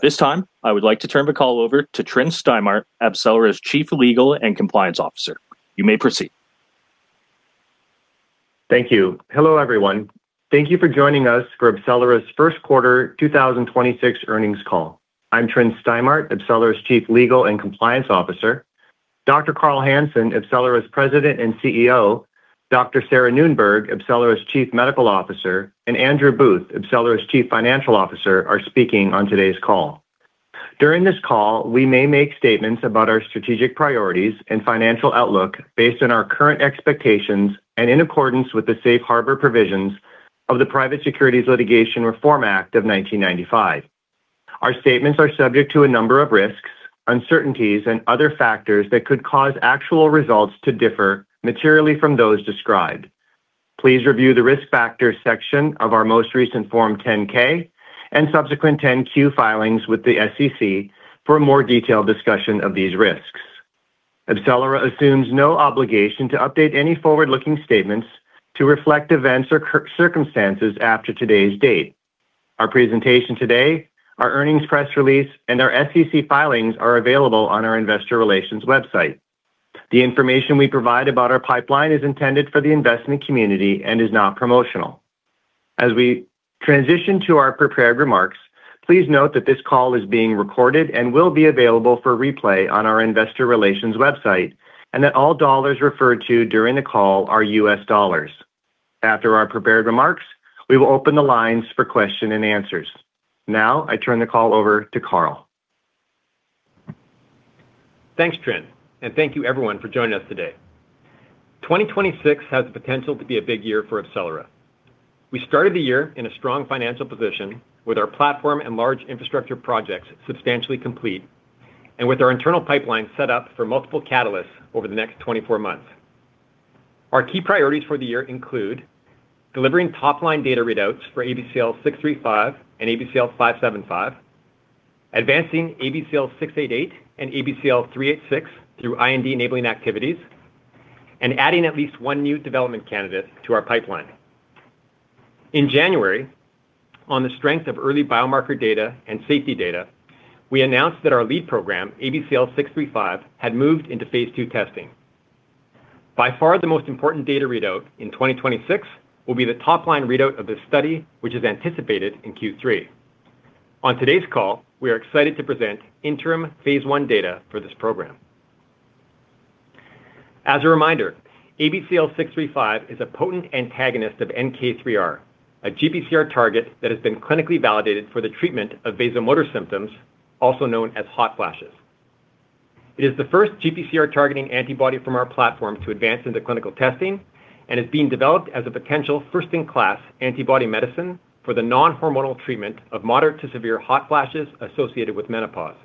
At this time, I would like to turn the call over to Tryn Stimart, AbCellera's Chief Legal and Compliance Officer. You may proceed. Thank you. Hello, everyone. Thank you for joining us for AbCellera's Q1 2026 earnings call. I'm Tryn Stimart, AbCellera's Chief Legal and Compliance Officer. Dr. Carl Hansen, AbCellera's President and CEO, Dr. Sarah Noonberg, AbCellera's Chief Medical Officer, and Andrew Booth, AbCellera's Chief Financial Officer, are speaking on today's call. During this call, we may make statements about our strategic priorities and financial outlook based on our current expectations and in accordance with the safe harbor provisions of the Private Securities Litigation Reform Act of 1995. Our statements are subject to a number of risks, uncertainties, and other factors that could cause actual results to differ materially from those described. Please review the Risk Factors section of our most recent Form 10-K and subsequent 10-Q filings with the SEC for a more detailed discussion of these risks. AbCellera assumes no obligation to update any forward-looking statements to reflect events or circumstances after today's date. Our presentation today, our earnings press release, and our SEC filings are available on our investor relations website. The information we provide about our pipeline is intended for the investment community and is not promotional. As we transition to our prepared remarks, please note that this call is being recorded and will be available for replay on our investor relations website, and that all dollars referred to during the call are U.S. dollars. After our prepared remarks, we will open the lines for question and answers. Now, I turn the call over to Carl. Thanks, Tryn, thank you everyone for joining us today. 2026 has the potential to be a big year for AbCellera. We started the year in a strong financial position with our platform and large infrastructure projects substantially complete and with our internal pipeline set up for multiple catalysts over the next 24 months. Our key priorities for the year include delivering top-line data readouts for ABCL635 and ABCL575, advancing ABCL688 and ABCL386 through IND-enabling activities, and adding at least 1 new development candidate to our pipeline. In January, on the strength of early biomarker data and safety data, we announced that our lead program, ABCL635, had moved into phase II testing. By far, the most important data readout in 2026 will be the top-line readout of this study, which is anticipated in Q3. On today's call, we are excited to present interim phase I data for this program. As a reminder, ABCL635 is a potent antagonist of NK3R, a GPCR target that has been clinically validated for the treatment of vasomotor symptoms, also known as hot flashes. It is the first GPCR-targeting antibody from our platform to advance into clinical testing and is being developed as a potential first-in-class antibody medicine for the non-hormonal treatment of moderate to severe hot flashes associated with menopause.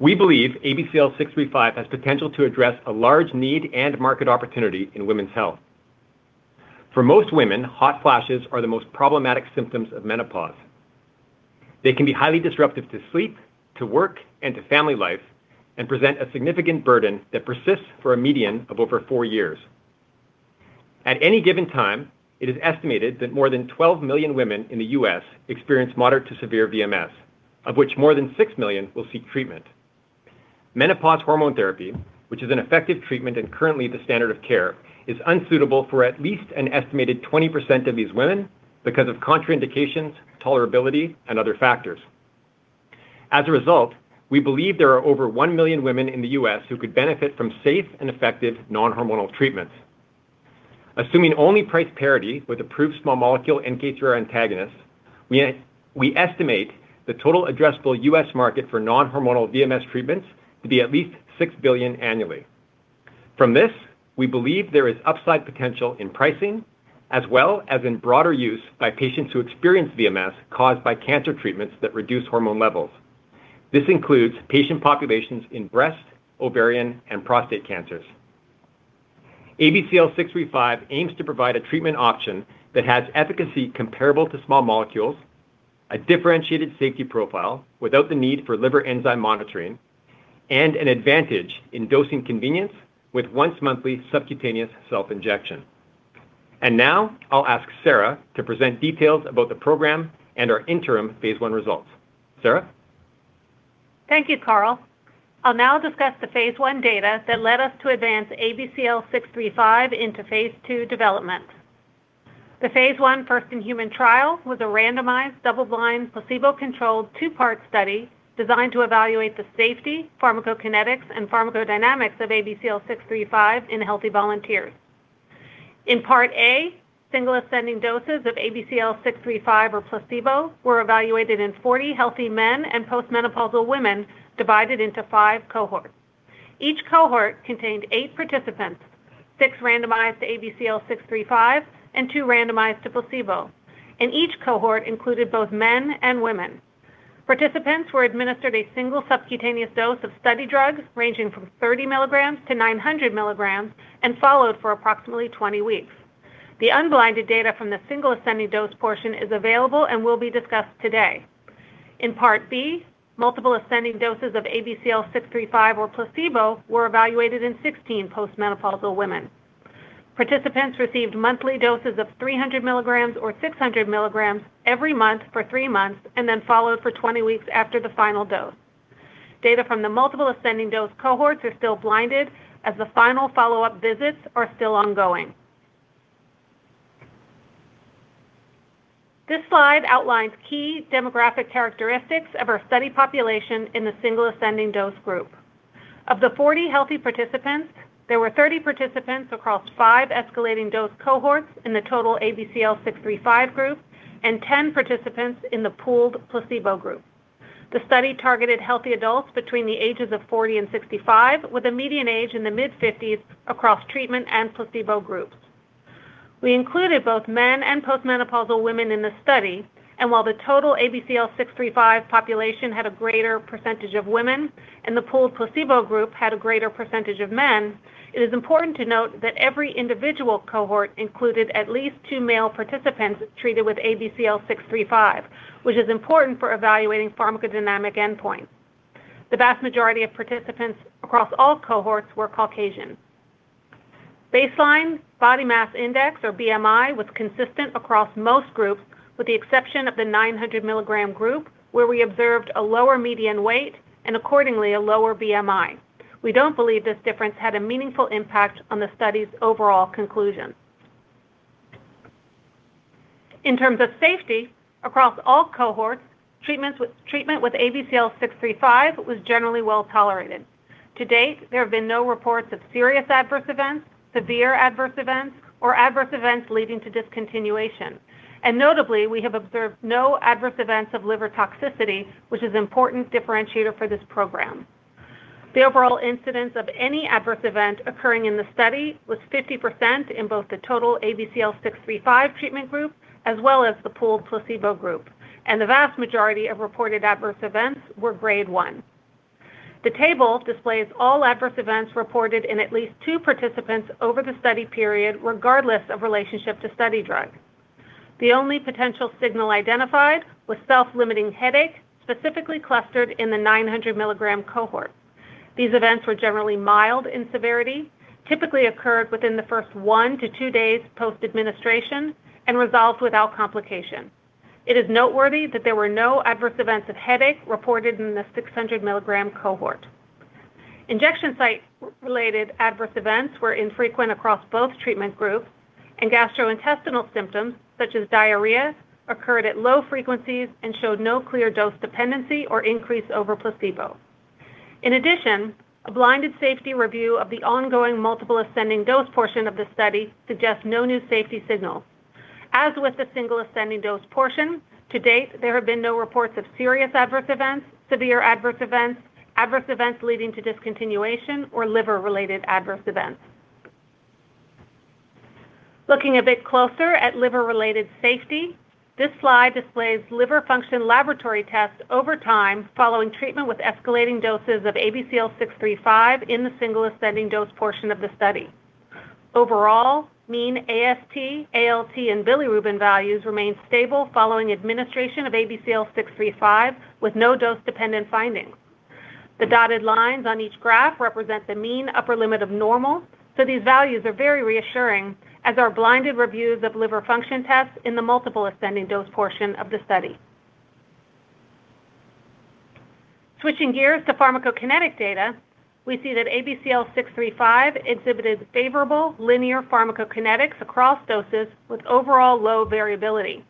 We believe ABCL635 has potential to address a large need and market opportunity in women's health. For most women, hot flashes are the most problematic symptoms of menopause. They can be highly disruptive to sleep, to work, and to family life, and present a significant burden that persists for a median of over four years. At any given time, it is estimated that more than 12 million women in the U.S. experience moderate to severe VMS, of which more than 6 million will seek treatment. Menopause hormone therapy, which is an effective treatment and currently the standard of care, is unsuitable for at least an estimated 20% of these women because of contraindications, tolerability, and other factors. As a result, we believe there are over 1 million women in the U.S. who could benefit from safe and effective non-hormonal treatments. Assuming only price parity with approved small molecule NK3R antagonists, we estimate the total addressable U.S. market for non-hormonal VMS treatments to be at least $6 billion annually. From this, we believe there is upside potential in pricing as well as in broader use by patients who experience VMS caused by cancer treatments that reduce hormone levels. This includes patient populations in breast, ovarian, and prostate cancers. ABCL635 aims to provide a treatment option that has efficacy comparable to small molecules, a differentiated safety profile without the need for liver enzyme monitoring, and an advantage in dosing convenience with once-monthly subcutaneous self-injection. Now I'll ask Sarah to present details about the program and our interim phase I results. Sarah? Thank you, Carl. I'll now discuss the phase I data that led us to advance ABCL635 into phase II development. The phase I first-in-human trial was a randomized, double-blind, placebo-controlled, two-part study designed to evaluate the safety, pharmacokinetics, and pharmacodynamics of ABCL635 in healthy volunteers. In part A, single ascending doses of ABCL635 or placebo were evaluated in 40 healthy men and post-menopausal women divided into 5 cohorts. Each cohort contained 8 participants, 6 randomized to ABCL635 and 2 randomized to placebo, and each cohort included both men and women. Participants were administered a single subcutaneous dose of study drugs ranging from 30 milligrams to 900 milligrams and followed for approximately 20 weeks. The unblinded data from the single ascending dose portion is available and will be discussed today. In part B, multiple ascending doses of ABCL635 or placebo were evaluated in 16 post-menopausal women. Participants received monthly doses of 300 mg or 600 mg every month for three months and then followed for 20 weeks after the final dose. Data from the multiple ascending dose cohorts are still blinded as the final follow-up visits are still ongoing. This slide outlines key demographic characteristics of our study population in the single ascending dose group. Of the 40 healthy participants, there were 30 participants across five escalating dose cohorts in the total ABCL635 group and 10 participants in the pooled placebo group. The study targeted healthy adults between the ages of 40 and 65, with a median age in the mid-fifties across treatment and placebo groups. We included both men and post-menopausal women in the study, and while the total ABCL635 population had a greater % of women and the pooled placebo group had a greater % of men, it is important to note that every individual cohort included at least 2 male participants treated with ABCL635, which is important for evaluating pharmacodynamic endpoints. The vast majority of participants across all cohorts were Caucasian. Baseline body mass index, or BMI, was consistent across most groups, with the exception of the 900 milligram group, where we observed a lower median weight and accordingly a lower BMI. We don't believe this difference had a meaningful impact on the study's overall conclusions. In terms of safety, across all cohorts, treatment with ABCL635 was generally well-tolerated. To date, there have been no reports of serious adverse events, severe adverse events, or adverse events leading to discontinuation. Notably, we have observed no adverse events of liver toxicity, which is an important differentiator for this program. The overall incidence of any adverse event occurring in the study was 50% in both the total ABCL635 treatment group as well as the pooled placebo group. The vast majority of reported adverse events were grade 1. The table displays all adverse events reported in at least 2 participants over the study period, regardless of relationship to study drug. The only potential signal identified was self-limiting headache, specifically clustered in the 900 mg cohort. These events were generally mild in severity, typically occurred within the first 1 to 2 days post-administration, and resolved without complication. It is noteworthy that there were no adverse events of headache reported in the 600 mg cohort. Injection site-related adverse events were infrequent across both treatment groups, and gastrointestinal symptoms such as diarrhea occurred at low frequencies and showed no clear dose dependency or increase over placebo. In addition, a blinded safety review of the ongoing multiple ascending dose portion of the study suggests no new safety signal. As with the single ascending dose portion, to date, there have been no reports of serious adverse events, severe adverse events, adverse events leading to discontinuation, or liver-related adverse events. Looking a bit closer at liver-related safety, this slide displays liver function laboratory tests over time following treatment with escalating doses of ABCL635 in the single ascending dose portion of the study. Overall, mean AST, ALT, and bilirubin values remained stable following administration of ABCL635, with no dose-dependent findings. The dotted lines on each graph represent the mean upper limit of normal, so these values are very reassuring, as are blinded reviews of liver function tests in the multiple ascending dose portion of the study. Switching gears to pharmacokinetic data, we see that ABCL635 exhibited favorable linear pharmacokinetics across doses with overall low variability.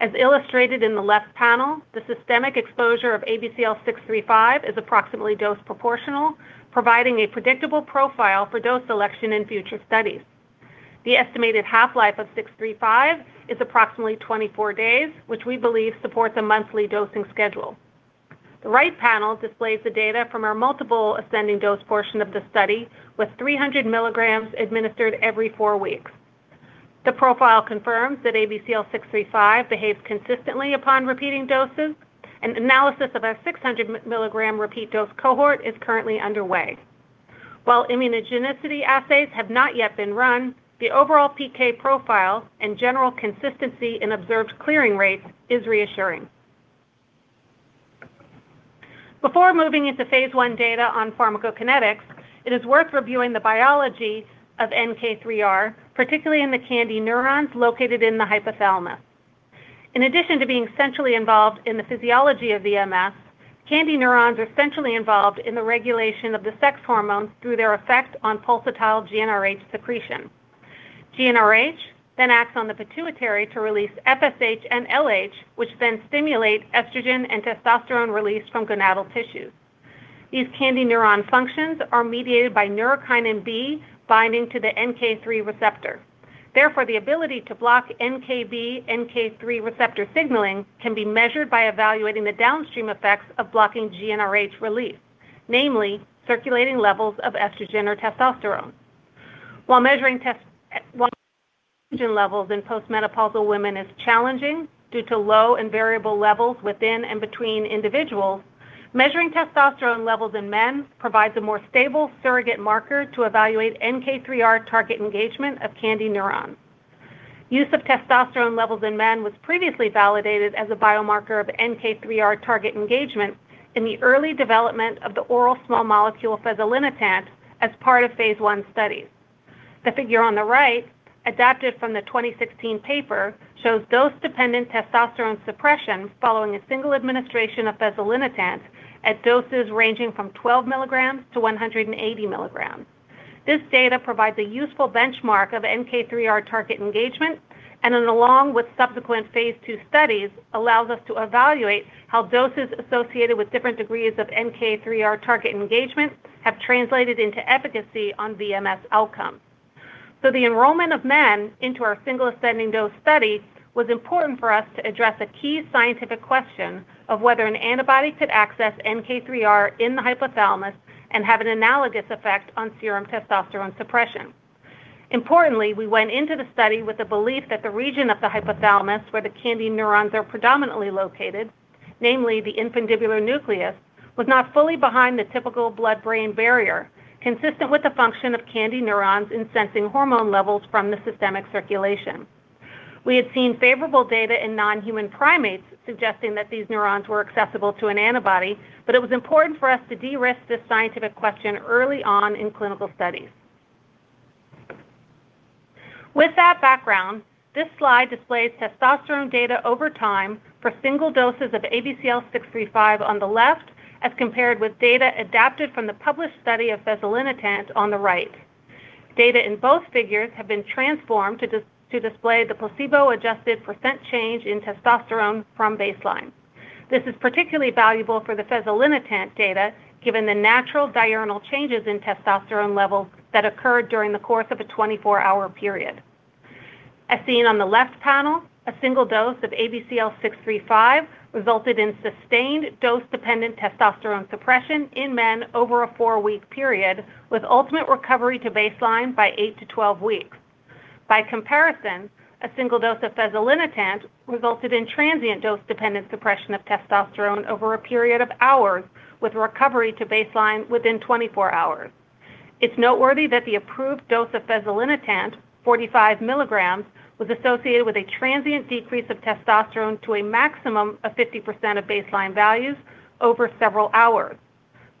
As illustrated in the left panel, the systemic exposure of ABCL635 is approximately dose proportional, providing a predictable profile for dose selection in future studies. The estimated half-life of ABCL635 is approximately 24 days, which we believe supports a monthly dosing schedule. The right panel displays the data from our multiple ascending dose portion of the study, with 300 milligrams administered every four weeks. The profile confirms that ABCL635 behaves consistently upon repeating doses, and analysis of our 600 milligram repeat dose cohort is currently underway. While immunogenicity assays have not yet been run, the overall PK profile and general consistency in observed clearing rates is reassuring. Before moving into phase I data on pharmacokinetics, it is worth reviewing the biology of NK3R, particularly in the KNDy neurons located in the hypothalamus. In addition to being centrally involved in the physiology of VMS, KNDy neurons are centrally involved in the regulation of the sex hormones through their effect on pulsatile GnRH secretion. GnRH then acts on the pituitary to release FSH and LH, which then stimulate estrogen and testosterone release from gonadal tissues. These KNDy neuron functions are mediated by neurokinin B binding to the NK3 receptor. Therefore, the ability to block NKB/NK3 receptor signaling can be measured by evaluating the downstream effects of blocking GnRH release, namely circulating levels of estrogen or testosterone. While measuring estrogen levels in post-menopausal women is challenging due to low and variable levels within and between individuals, measuring testosterone levels in men provides a more stable surrogate marker to evaluate NK3R target engagement of KNDy neurons. Use of testosterone levels in men was previously validated as a biomarker of NK3R target engagement in the early development of the oral small molecule fezolinetant as part of phase I studies. The figure on the right, adapted from the 2016 paper, shows dose-dependent testosterone suppression following a single administration of fezolinetant at doses ranging from 12 milligrams to 180 milligrams. This data provides a useful benchmark of NK3R target engagement and then along with subsequent phase II studies allows us to evaluate how doses associated with different degrees of NK3R target engagement have translated into efficacy on VMS outcomes. The enrollment of men into our single ascending dose study was important for us to address a key scientific question of whether an antibody could access NK3R in the hypothalamus and have an analogous effect on serum testosterone suppression. Importantly, we went into the study with the belief that the region of the hypothalamus where the KNDy neurons are predominantly located, namely the infundibular nucleus, was not fully behind the typical blood-brain barrier, consistent with the function of KNDy neurons in sensing hormone levels from the systemic circulation. We had seen favorable data in non-human primates suggesting that these neurons were accessible to an antibody, but it was important for us to de-risk this scientific question early on in clinical studies. With that background, this slide displays testosterone data over time for single doses of ABCL635 on the left as compared with data adapted from the published study of fezolinetant on the right. Data in both figures have been transformed to display the placebo-adjusted % change in testosterone from baseline. This is particularly valuable for the fezolinetant data given the natural diurnal changes in testosterone levels that occurred during the course of a 24-hour period. As seen on the left panel, a single dose of ABCL635 resulted in sustained dose-dependent testosterone suppression in men over a 4-week period with ultimate recovery to baseline by 8 to 12 weeks. By comparison, a single dose of fezolinetant resulted in transient dose-dependent suppression of testosterone over a period of hours with recovery to baseline within 24 hours. It's noteworthy that the approved dose of fezolinetant, 45 milligrams, was associated with a transient decrease of testosterone to a maximum of 50% of baseline values over several hours.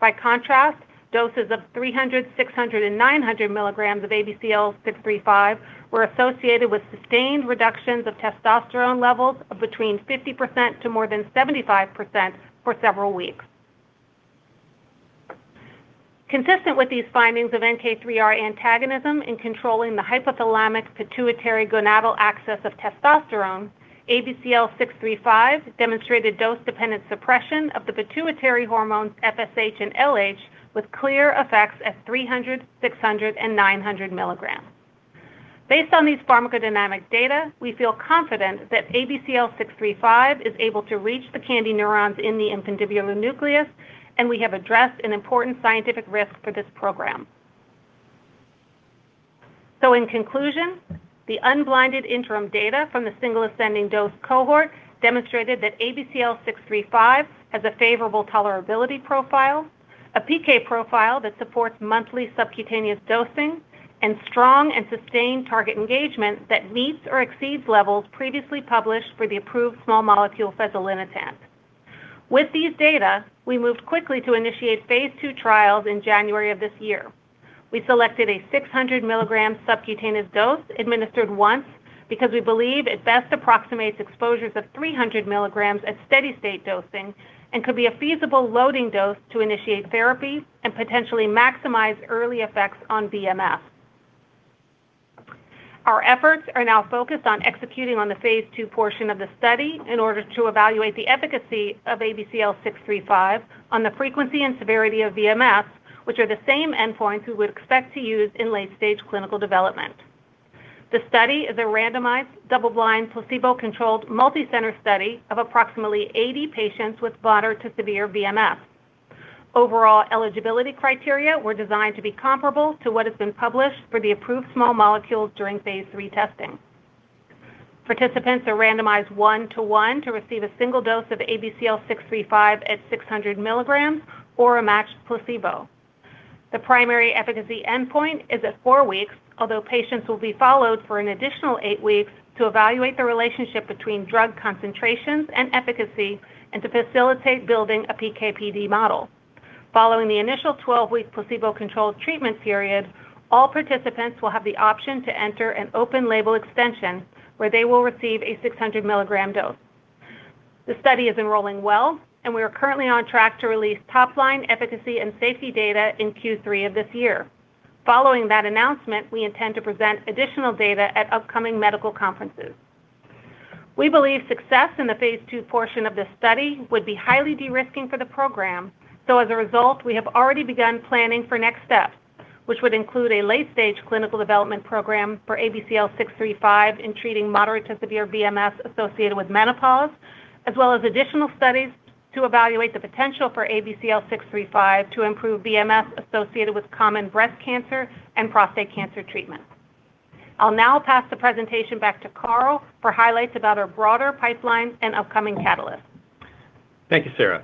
By contrast, doses of 300, 600, and 900 milligrams of ABCL635 were associated with sustained reductions of testosterone levels of between 50% to more than 75% for several weeks. Consistent with these findings of NK3R antagonism in controlling the hypothalamic-pituitary-gonadal axis of testosterone, ABCL635 demonstrated dose-dependent suppression of the pituitary hormones FSH and LH with clear effects at 300, 600, and 900 milligrams. Based on these pharmacodynamic data, we feel confident that ABCL635 is able to reach the KNDy neurons in the infundibular nucleus, and we have addressed an important scientific risk for this program. In conclusion, the unblinded interim data from the single ascending dose cohort demonstrated that ABCL635 has a favorable tolerability profile, a PK profile that supports monthly subcutaneous dosing, and strong and sustained target engagement that meets or exceeds levels previously published for the approved small molecule fezolinetant. With these data, we moved quickly to initiate phase II trials in January of this year. We selected a 600 milligram subcutaneous dose administered once because we believe it best approximates exposures of 300 milligrams at steady-state dosing and could be a feasible loading dose to initiate therapy and potentially maximize early effects on VMS. Our efforts are now focused on executing on the phase II portion of the study in order to evaluate the efficacy of ABCL635 on the frequency and severity of VMS, which are the same endpoints we would expect to use in late-stage clinical development. The study is a randomized, double-blind, placebo-controlled, multi-center study of approximately 80 patients with moderate to severe VMS. Overall eligibility criteria were designed to be comparable to what has been published for the approved small molecules during phase III testing. Participants are randomized 1-to-1 to receive a single dose of ABCL635 at 600 milligrams or a matched placebo. The primary efficacy endpoint is at 4 weeks, although patients will be followed for an additional 8 weeks to evaluate the relationship between drug concentrations and efficacy and to facilitate building a PK/PD model. Following the initial 12-week placebo-controlled treatment period, all participants will have the option to enter an open label extension where they will receive a 600 milligram dose. The study is enrolling well, and we are currently on track to release top-line efficacy and safety data in Q3 of this year. Following that announcement, we intend to present additional data at upcoming medical conferences. We believe success in the phase II portion of this study would be highly de-risking for the program, so as a result, we have already begun planning for next steps, which would include a late-stage clinical development program for ABCL635 in treating moderate to severe VMS associated with menopause, as well as additional studies to evaluate the potential for ABCL635 to improve VMS associated with common breast cancer and prostate cancer treatment. I'll now pass the presentation back to Carl for highlights about our broader pipeline and upcoming catalysts. Thank you, Sarah.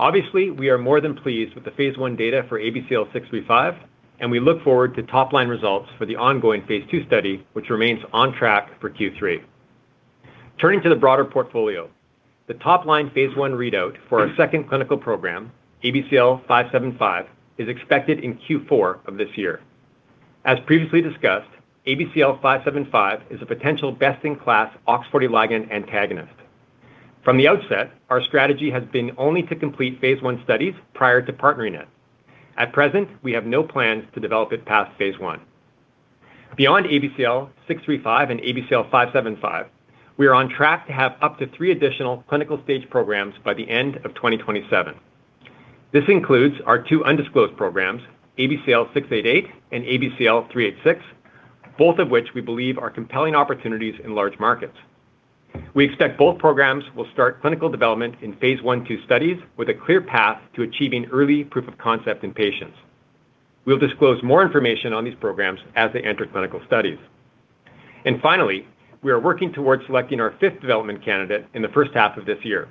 Obviously, we are more than pleased with the phase I data for ABCL635, and we look forward to top-line results for the ongoing phase II study, which remains on track for Q3. Turning to the broader portfolio, the top-line phase I readout for our second clinical program, ABCL575, is expected in Q4 of this year. As previously discussed, ABCL575 is a potential best-in-class OX40L antagonist. From the outset, our strategy has been only to complete phase I studies prior to partnering it. At present, we have no plans to develop it past phase I. Beyond ABCL635 and ABCL575, we are on track to have up to three additional clinical stage programs by the end of 2027. This includes our two undisclosed programs, ABCL688 and ABCL386, both of which we believe are compelling opportunities in large markets. We expect both programs will start clinical development in phase I, II studies with a clear path to achieving early proof of concept in patients. We'll disclose more information on these programs as they enter clinical studies. Finally, we are working towards selecting our fifth development candidate in the first half of this year.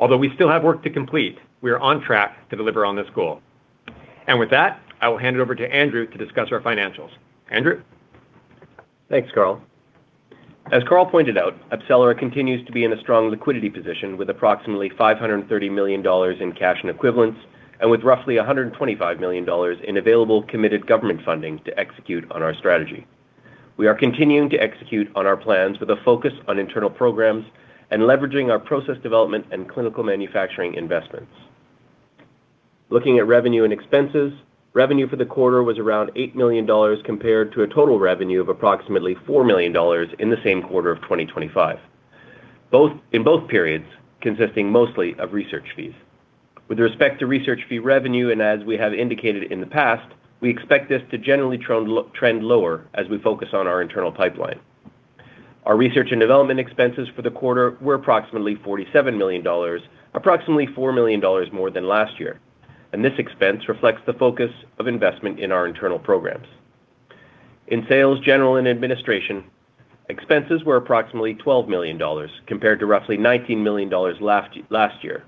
Although we still have work to complete, we are on track to deliver on this goal. With that, I will hand it over to Andrew to discuss our financials. Andrew? Thanks, Carl. As Carl pointed out, AbCellera continues to be in a strong liquidity position with approximately 530 million dollars in cash and equivalents, and with roughly 125 million dollars in available committed government funding to execute on our strategy. We are continuing to execute on our plans with a focus on internal programs and leveraging our process development and clinical manufacturing investments. Looking at revenue and expenses, revenue for the quarter was around CAD $8 million compared to a total revenue of approximately CAD $4 million in the same quarter of 2025. In both periods, consisting mostly of research fees. With respect to research fee revenue, as we have indicated in the past, we expect this to generally trend lower as we focus on our internal pipeline. Our research and development expenses for the quarter were approximately $47 million, approximately $4 million more than last year, and this expense reflects the focus of investment in our internal programs. In sales, general, and administration, expenses were approximately $12 million, compared to roughly $19 million last year.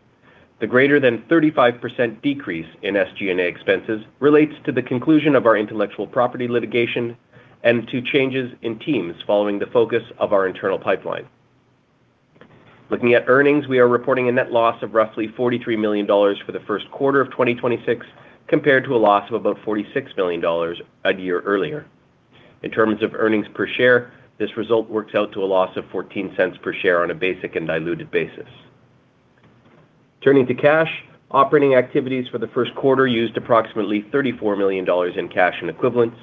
The greater than 35% decrease in SG&A expenses relates to the conclusion of our intellectual property litigation and to changes in teams following the focus of our internal pipeline. Looking at earnings, we are reporting a net loss of roughly $43 million for the first quarter of 2026, compared to a loss of about $46 million a year earlier. In terms of earnings per share, this result works out to a loss of $0.14 per share on a basic and diluted basis. Turning to cash, operating activities for the first quarter used approximately $34 million in cash and equivalents,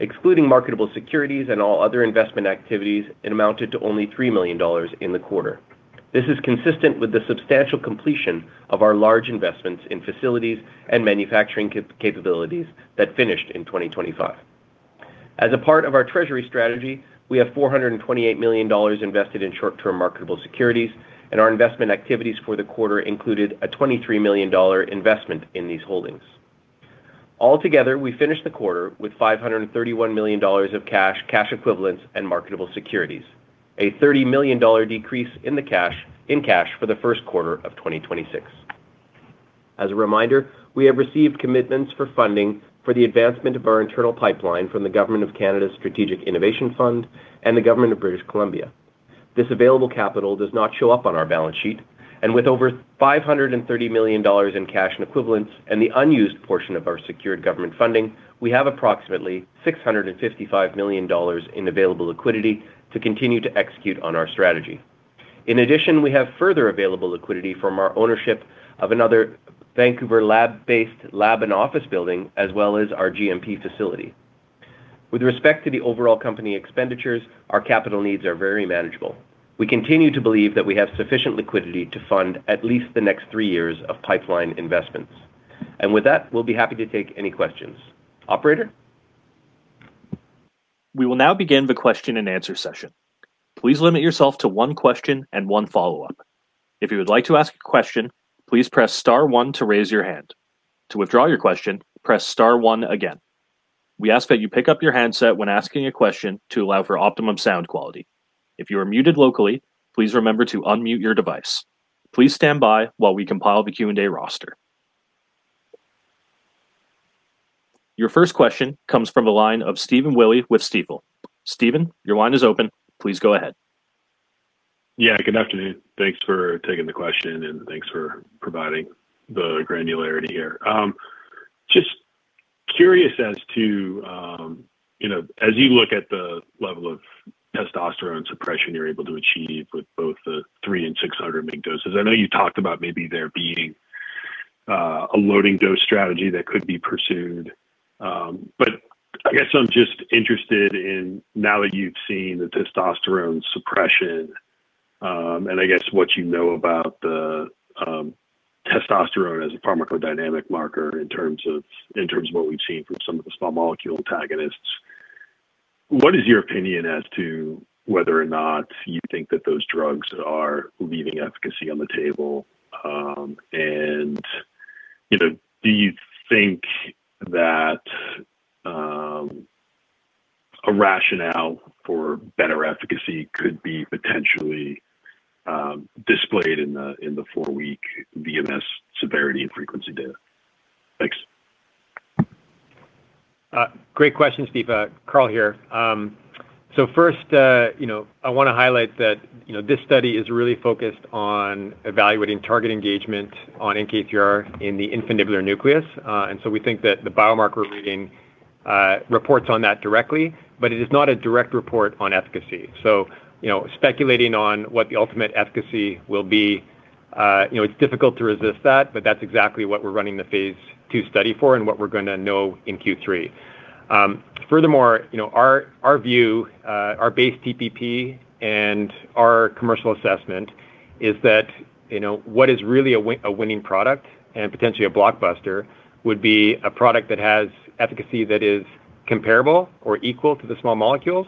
excluding marketable securities and all other investment activities, and amounted to only $3 million in the quarter. This is consistent with the substantial completion of our large investments in facilities and manufacturing capabilities that finished in 2025. As a part of our treasury strategy, we have $428 million invested in short-term marketable securities, and our investment activities for the quarter included a $23 million investment in these holdings. Altogether, we finished the quarter with $531 million of cash equivalents, and marketable securities, a $30 million decrease in cash for the first quarter of 2026. As a reminder, we have received commitments for funding for the advancement of our internal pipeline from the Government of Canada Strategic Innovation Fund and the Government of British Columbia. This available capital does not show up on our balance sheet. With over $530 million in cash and equivalents and the unused portion of our secured government funding, we have approximately $655 million in available liquidity to continue to execute on our strategy. In addition, we have further available liquidity from our ownership of another Vancouver lab-based lab and office building, as well as our GMP facility. With respect to the overall company expenditures, our capital needs are very manageable. We continue to believe that we have sufficient liquidity to fund at least the next three years of pipeline investments. With that, we'll be happy to take any questions. Operator? Your first question comes from the line of Stephen Willey with Stifel. Stephen, your line is open. Please go ahead. Good afternoon. Thanks for taking the question, and thanks for providing the granularity here. Just curious as to, you know, as you look at the level of testosterone suppression you're able to achieve with both the 3 and 600 mg doses. I know you talked about maybe there being a loading dose strategy that could be pursued. I guess I'm just interested in now that you've seen the testosterone suppression, and I guess what you know about the testosterone as a pharmacodynamic marker in terms of, in terms of what we've seen from some of the small molecule antagonists. What is your opinion as to whether or not you think that those drugs are leaving efficacy on the table? You know, do you think that a rationale for better efficacy could be potentially displayed in the 4-week VMS severity and frequency data. Thanks. Great questions, Stephen. Carl here. First, you know, I wanna highlight that, you know, this study is really focused on evaluating target engagement on NK3R in the infundibular nucleus. We think that the biomarker reading reports on that directly, but it is not a direct report on efficacy. You know, speculating on what the ultimate efficacy will be, you know, it's difficult to resist that, but that's exactly what we're running the phase II study for and what we're gonna know in Q3. Furthermore, you know, our view, our base TPP and our commercial assessment is that, you know, what is really a winning product and potentially a blockbuster would be a product that has efficacy that is comparable or equal to the small molecules,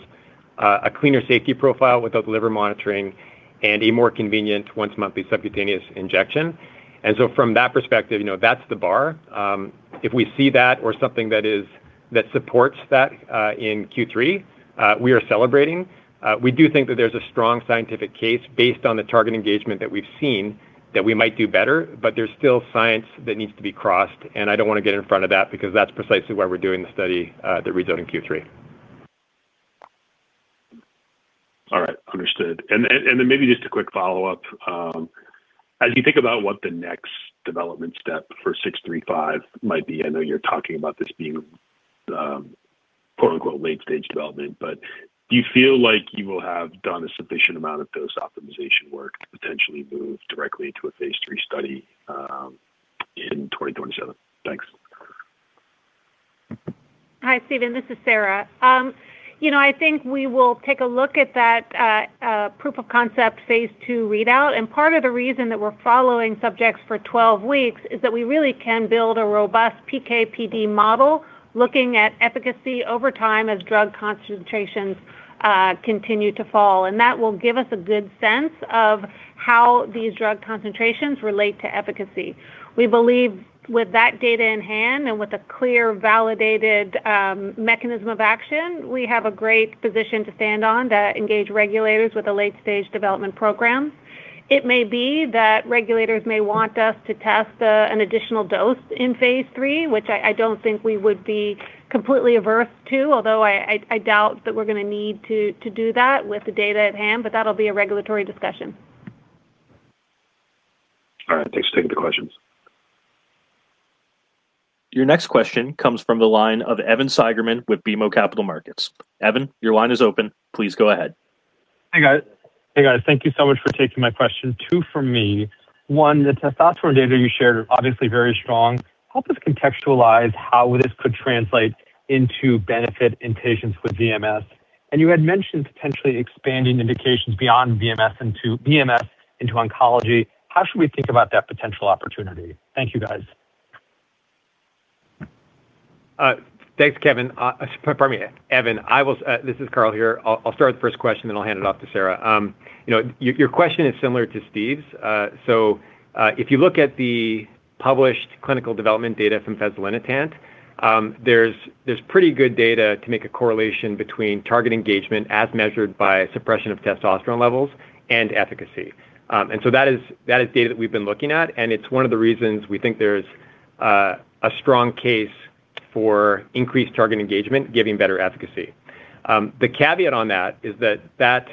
a cleaner safety profile without liver monitoring, and a more convenient 1-monthly subcutaneous injection. From that perspective, you know, that's the bar. If we see that or something that is that supports that, in Q3, we are celebrating. We do think that there's a strong scientific case based on the target engagement that we've seen that we might do better, but there's still science that needs to be crossed, and I don't wanna get in front of that because that's precisely why we're doing the study, that reads out in Q3. All right. Understood. Maybe just a quick follow-up. As you think about what the next development step for ABCL635 might be, I know you're talking about this being, quote-unquote, "late stage development," but do you feel like you will have done a sufficient amount of dose optimization work to potentially move directly to a phase III study, in 2027? Thanks. Hi, Stephen. This is Sarah. you know, I think we will take a look at that proof of concept phase II readout. Part of the reason that we're following subjects for 12 weeks is that we really can build a robust PK/PD model looking at efficacy over time as drug concentrations continue to fall. That will give us a good sense of how these drug concentrations relate to efficacy. We believe with that data in hand and with a clear validated mechanism of action, we have a great position to stand on to engage regulators with a late-stage development program. It may be that regulators may want us to test an additional dose in phase III, which I don't think we would be completely averse to, although I doubt that we're gonna need to do that with the data at hand, but that'll be a regulatory discussion. All right. Thanks for taking the questions. Your next question comes from the line of Evan David Seigerman with BMO Capital Markets. Evan, your line is open. Please go ahead. Hey, guys. Thank you so much for taking my question. Two from me. One, the testosterone data you shared are obviously very strong. Help us contextualize how this could translate into benefit in patients with VMS. You had mentioned potentially expanding indications beyond VMS into oncology. How should we think about that potential opportunity? Thank you, guys. Thanks, Evan. Pardon me, Evan. This is Carl here. I'll start with the first question, then I'll hand it off to Sarah. You know, your question is similar to Steve's. If you look at the published clinical development data from fezolinetant, there's pretty good data to make a correlation between target engagement as measured by suppression of testosterone levels and efficacy. That is data that we've been looking at, and it's one of the reasons we think there's a strong case for increased target engagement giving better efficacy. The caveat on that is that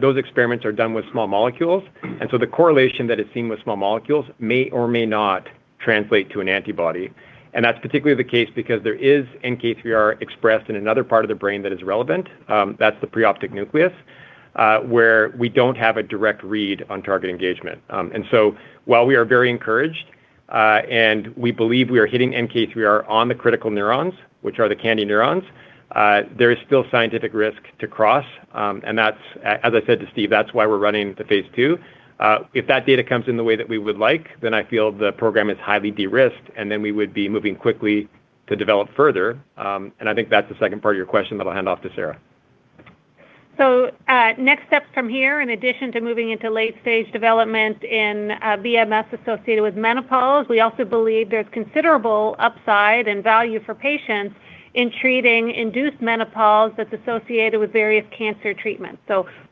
those experiments are done with small molecules, the correlation that is seen with small molecules may or may not translate to an antibody. That's particularly the case because there is NK3R expressed in another part of the brain that is relevant, that's the preoptic nucleus, where we don't have a direct read on target engagement. While we are very encouraged, and we believe we are hitting NK3R on the critical neurons, which are the KNDy neurons, there is still scientific risk to cross. That's, as I said to Steve, that's why we're running the phase II. If that data comes in the way that we would like, then I feel the program is highly de-risked, and then we would be moving quickly to develop further. I think that's the second part of your question that I'll hand off to Sarah. Next steps from here, in addition to moving into late-stage development in VMS associated with menopause, we also believe there's considerable upside and value for patients in treating induced menopause that's associated with various cancer treatments.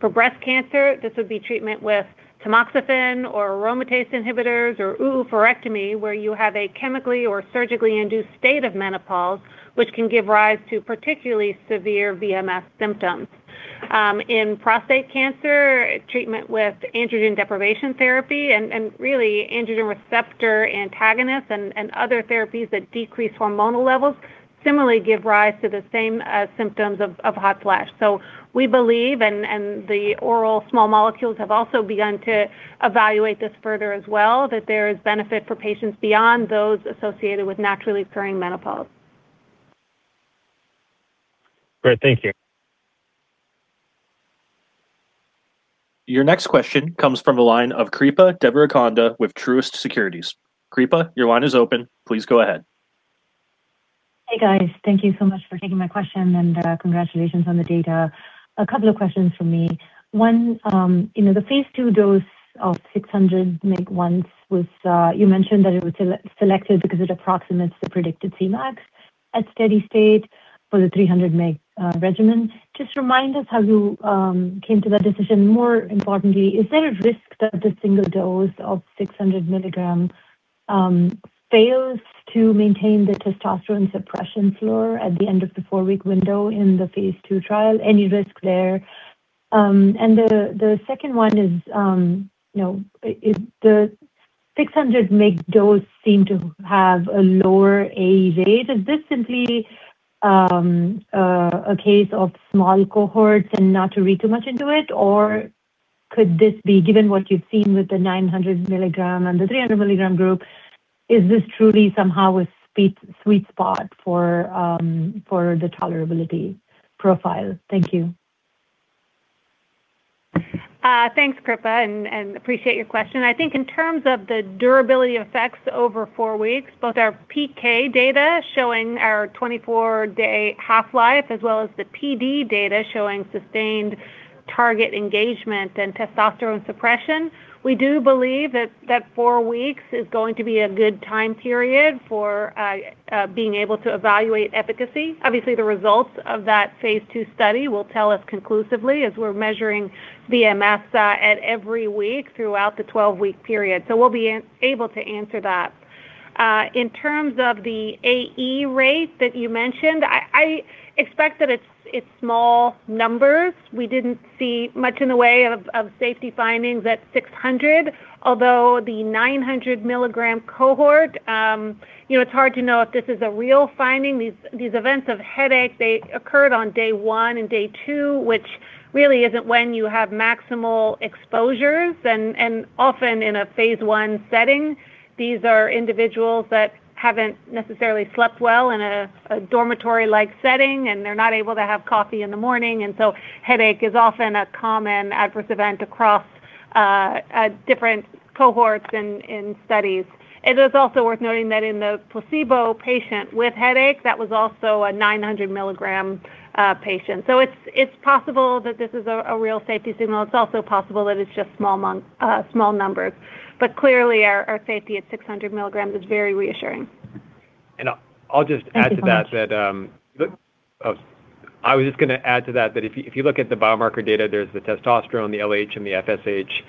For breast cancer, this would be treatment with tamoxifen or aromatase inhibitors or oophorectomy, where you have a chemically or surgically induced state of menopause, which can give rise to particularly severe VMS symptoms. In prostate cancer, treatment with androgen deprivation therapy and really androgen receptor antagonists and other therapies that decrease hormonal levels similarly give rise to the same symptoms of hot flash. We believe, and the oral small molecules have also begun to evaluate this further as well, that there is benefit for patients beyond those associated with naturally occurring menopause. Great. Thank you. Your next question comes from the line of Kripa Devarakonda with Truist Securities. Kripa, your line is open. Please go ahead. Hey, guys. Thank you so much for taking my question, and congratulations on the data. A couple of questions from me. One, you know, the phase II dose of 600 mg once was, you mentioned that it was selected because it approximates the predicted Cmax at steady state for the 300 mg regimen. Just remind us how you came to that decision. More importantly, is there a risk that the single dose of 600 mg fails to maintain the testosterone suppression floor at the end of the 4-week window in the phase II trial? Any risk there? The second one is, you know, is the 600 mg dose seem to have a lower AE rate? Is this simply a case of small cohorts and not to read too much into it? Could this be, given what you've seen with the 900 milligram and the 300 milligram group, is this truly somehow a sweet spot for the tolerability profile? Thank you. Thanks, Kripa, and appreciate your question. I think in terms of the durability effects over four weeks, both our PK data showing our 24-day half-life as well as the PD data showing sustained target engagement and testosterone suppression, we do believe that that four weeks is going to be a good time period for being able to evaluate efficacy. Obviously, the results of that phase II study will tell us conclusively as we're measuring VMS at every week throughout the 12-week period. We'll be able to answer that. In terms of the AE rate that you mentioned, I expect that it's small numbers. We didn't see much in the way of safety findings at 600. Although the 900 milligram cohort, you know, it's hard to know if this is a real finding. These events of headaches, they occurred on day 1 and day 2, which really isn't when you have maximal exposures and often in a phase I setting. These are individuals that haven't necessarily slept well in a dormitory-like setting, and they're not able to have coffee in the morning. Headache is often a common adverse event across different cohorts in studies. It is also worth noting that in the placebo patient with headache, that was also a 900 milligram patient. It's possible that this is a real safety signal. It's also possible that it's just small numbers. Clearly, our safety at 600 milligrams is very reassuring. Thank you so much. I'll just add to that if you look at the biomarker data, there's the testosterone, the LH, and the FSH,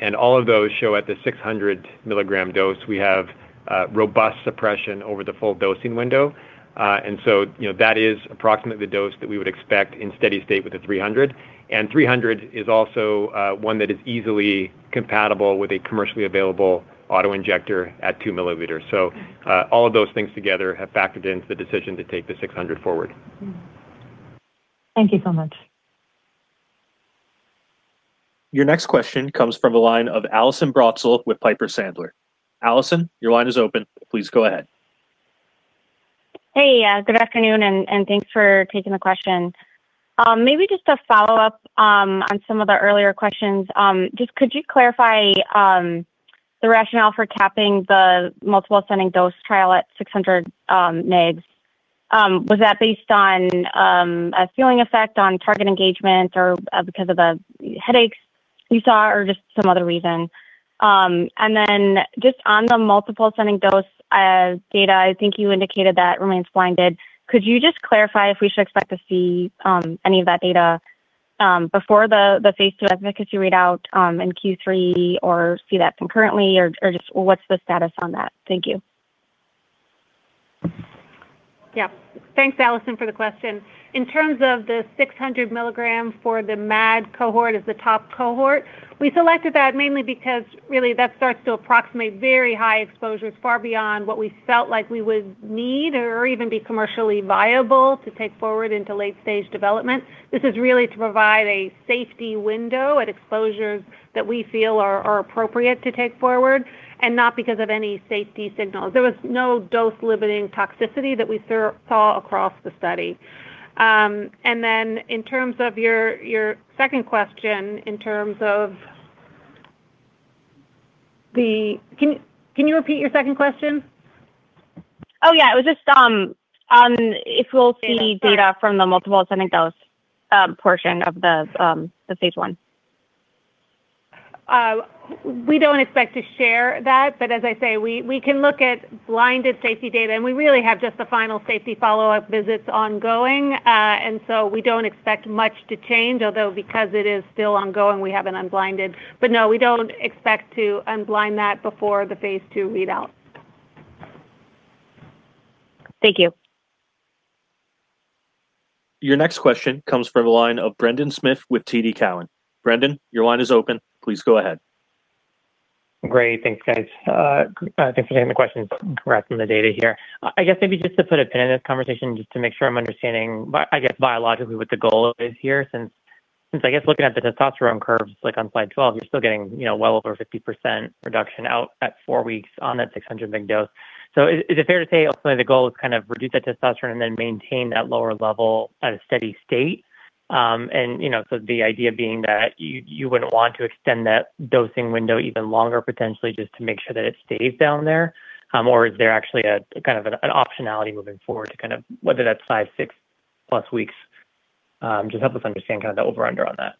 and all of those show at the 600 milligram dose, we have robust suppression over the full dosing window. So, you know, that is approximately the dose that we would expect in steady state with the 300. 300 is also one that is easily compatible with a commercially available auto-injector at 2 milliliters. All of those things together have factored into the decision to take the 600 forward. Thank you so much. Your next question comes from the line of Allison Bratzel with Piper Sandler. Allison, your line is open. Please go ahead. Hey, good afternoon, thanks for taking the question. Maybe just a follow-up on some of the earlier questions. Just could you clarify the rationale for capping the multiple ascending dose trial at 600 mgs? Was that based on a ceiling effect on target engagement or because of the headaches you saw or just some other reason? Then just on the multiple ascending dose data, I think you indicated that remains blinded. Could you just clarify if we should expect to see any of that data before the phase II efficacy readout in Q3 or see that concurrently or just what's the status on that? Thank you. Yeah. Thanks, Allison, for the question. In terms of the 600 milligrams for the MAD cohort as the top cohort, we selected that mainly because really that starts to approximate very high exposures far beyond what we felt like we would need or even be commercially viable to take forward into late-stage development. This is really to provide a safety window at exposures that we feel are appropriate to take forward and not because of any safety signals. There was no dose-limiting toxicity that we saw across the study. In terms of your second question, in terms of the Can you repeat your second question? Oh, yeah. It was just on if we'll see data from the multiple ascending dose portion of the phase I. We don't expect to share that, as I say, we can look at blinded safety data, and we really have just the final safety follow-up visits ongoing. We don't expect much to change, although because it is still ongoing, we haven't unblinded. No, we don't expect to unblind that before the phase II readout. Thank you. Your next question comes from the line of Brendan Smith with TD Cowen. Brendan, your line is open. Please go ahead. Great. Thanks, guys. Thanks for taking the question. Grasping the data here. I guess maybe just to put a pin in this conversation just to make sure I'm understanding biologically what the goal is here since looking at the testosterone curves, like on slide 12, you're still getting, you know, well over 50% reduction out at 4 weeks on that 600 mg dose. Is it fair to say ultimately the goal is kind of reduce that testosterone and then maintain that lower level at a steady state? You know, the idea being that you wouldn't want to extend that dosing window even longer potentially just to make sure that it stays down there? Is there actually kind of an optionality moving forward to kind of whether that's 5, 6 plus weeks? Just help us understand kind of the over-under on that.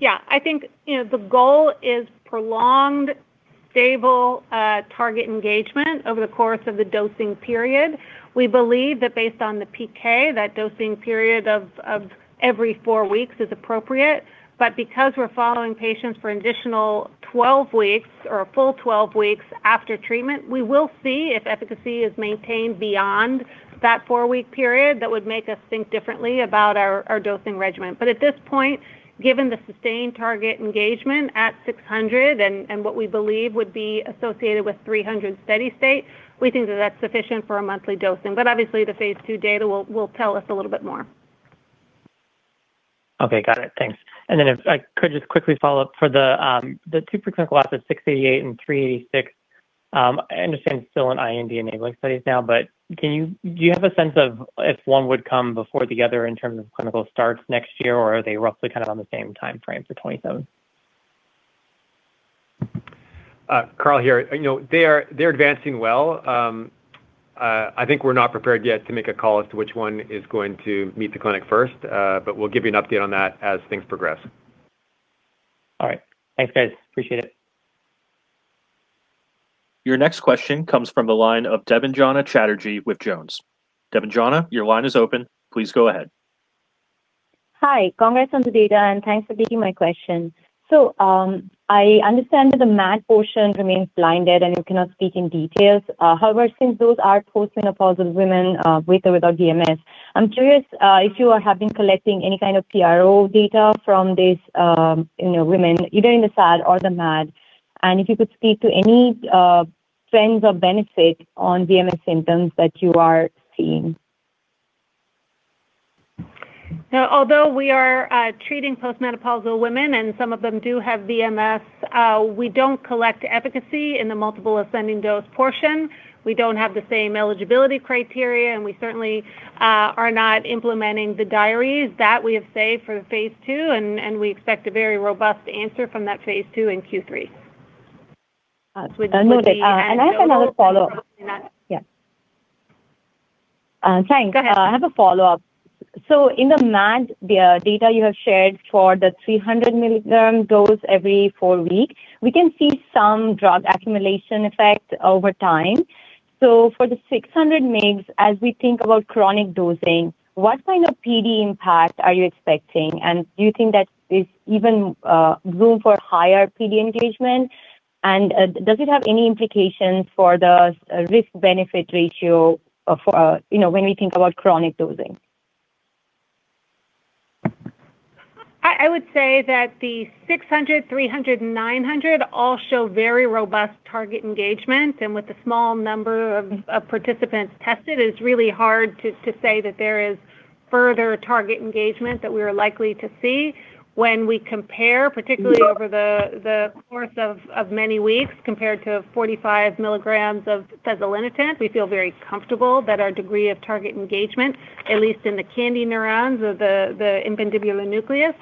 Yeah, I think, you know, the goal is prolonged stable target engagement over the course of the dosing period. We believe that based on the PK, that dosing period of every 4 weeks is appropriate. Because we're following patients for an additional 12 weeks or a full 12 weeks after treatment, we will see if efficacy is maintained beyond that 4-week period. That would make us think differently about our dosing regimen. At this point, given the sustained target engagement at 600 and what we believe would be associated with 300 steady-state, we think that that's sufficient for a monthly dosing. Obviously, the phase II data will tell us a little bit more. Okay, got it. Thanks. If I could just quickly follow up. For the two preclinical assets, ABCL688 and ABCL386, I understand it's still in IND-enabling studies now, but do you have a sense of if one would come before the other in terms of clinical starts next year or are they roughly kind of on the same timeframe for 2027? Carl here. You know, they're advancing well. I think we're not prepared yet to make a call as to which one is going to meet the clinic first, but we'll give you an update on that as things progress. All right. Thanks, guys. Appreciate it. Your next question comes from the line of Debanjana Chatterjee with JonesTrading. Debanjana, your line is open. Please go ahead. Hi. Congrats on the data, and thanks for taking my question. I understand that the MAD portion remains blinded and you cannot speak in details. However, since those are post-menopausal women, with or without VMS, I'm curious if you have been collecting any kind of PRO data from these, you know, women, either in the SAD or the MAD, and if you could speak to any trends of benefit on VMS symptoms that you are seeing. Although we are treating post-menopausal women and some of them do have VMS, we don't collect efficacy in the multiple ascending dose portion. We don't have the same eligibility criteria, and we certainly are not implementing the diaries that we have saved for phase II. We expect a very robust answer from that phase II in Q3. Noted. With the- I have another follow-up. Yeah. Thanks. Go ahead. I have a follow-up. In the MAD data you have shared for the 300 milligram dose every four weeks, we can see some drug accumulation effect over time. For the 600 mgs, as we think about chronic dosing, what kind of PD impact are you expecting? Do you think that there's even room for higher PD engagement? Does it have any implications for the risk-benefit ratio of, you know, when we think about chronic dosing? I would say that the 600, 300, and 900 all show very robust target engagement. With the small number of participants tested, it's really hard to say that there is further target engagement that we are likely to see. When we compare, particularly over the course of many weeks, compared to 45 milligrams of fezolinetant, we feel very comfortable that our degree of target engagement, at least in the KNDy neurons of the infundibular nucleus,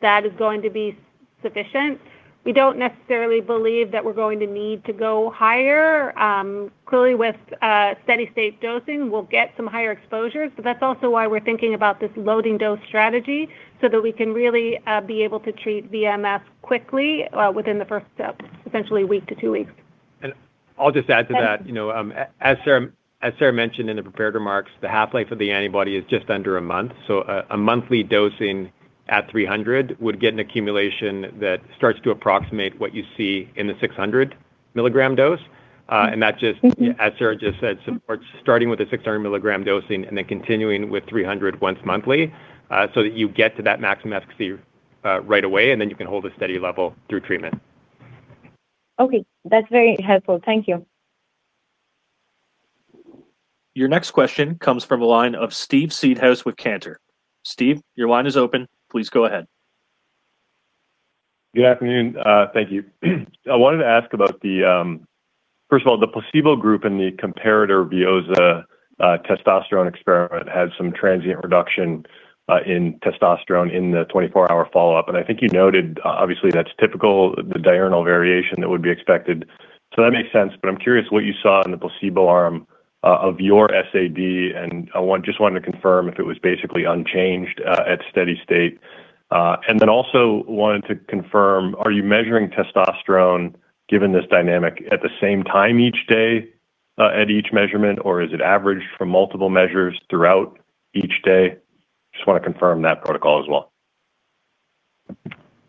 that is going to be sufficient. We don't necessarily believe that we're going to need to go higher. Clearly with steady-state dosing, we'll get some higher exposures, that's also why we're thinking about this loading dose strategy so that we can really be able to treat VMS quickly within the first essentially week to 2 weeks. I'll just add to that. You know, as Sarah mentioned in the prepared remarks, the half-life of the antibody is just under a month. A monthly dosing at 300 would get an accumulation that starts to approximate what you see in the 600 milligram dose. as Sarah just said, supports starting with the 600 milligram dosing and then continuing with 300 once monthly, so that you get to that maximum efficacy right away, and then you can hold a steady level through treatment. Okay. That's very helpful. Thank you. Your next question comes from the line of Steve Seedhouse with Cantor. Steve, your line is open. Please go ahead. Good afternoon. Thank you. I wanted to ask about the, first of all, the placebo group in the comparator VEOZAH testosterone experiment had some transient reduction in testosterone in the 24 hour follow-up. I think you noted, obviously that's typical, the diurnal variation that would be expected. That makes sense, I'm curious what you saw in the placebo arm of your SAD, just wanted to confirm if it was basically unchanged at steady state. Also wanted to confirm, are you measuring testosterone, given this dynamic, at the same time each day, at each measurement, or is it averaged from multiple measures throughout each day? Just wanna confirm that protocol as well.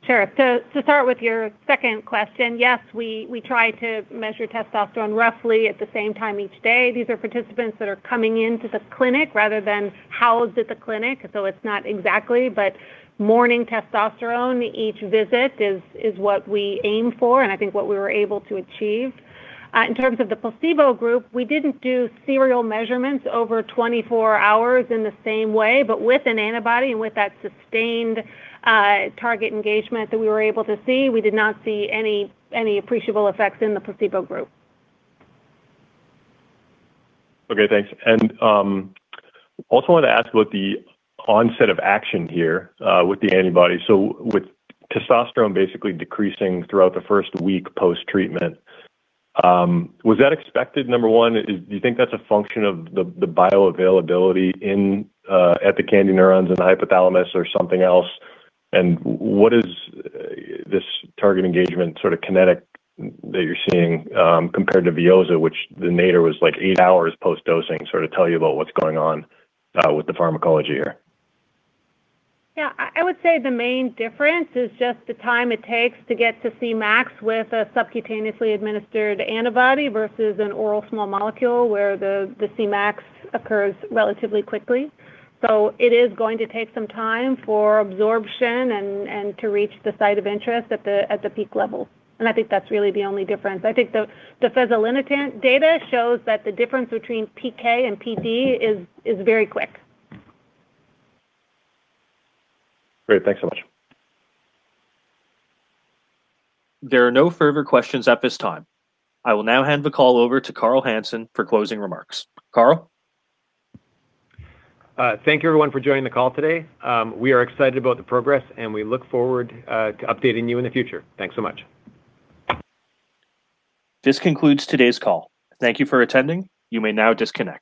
Sure. To start with your second question, yes, we try to measure testosterone roughly at the same time each day. These are participants that are coming into the clinic rather than housed at the clinic, it's not exactly. Morning testosterone each visit is what we aim for and I think what we were able to achieve. In terms of the placebo group, we didn't do serial measurements over 24 hours in the same way. With an antibody and with that sustained target engagement that we were able to see, we did not see any appreciable effects in the placebo group. Okay, thanks. Also wanted to ask about the onset of action here with the antibody. With testosterone basically decreasing throughout the first week post-treatment, was that expected, number one? Do you think that's a function of the bioavailability at the KNDy neurons in the hypothalamus or something else? What is this target engagement sort of kinetic that you're seeing, compared to VEOZAH, which the nadir was, like, eight hours post-dosing, sort of tell you about what's going on with the pharmacology here? I would say the main difference is just the time it takes to get to Cmax with a subcutaneously administered antibody versus an oral small molecule, where the Cmax occurs relatively quickly. It is going to take some time for absorption and to reach the site of interest at the peak level, and I think that's really the only difference. I think the fezolinetant data shows that the difference between PK and PD is very quick. Great. Thanks so much. There are no further questions at this time. I will now hand the call over to Carl Hansen for closing remarks. Carl? Thank you, everyone, for joining the call today. We are excited about the progress, and we look forward to updating you in the future. Thanks so much. This concludes today's call. Thank you for attending. You may now disconnect.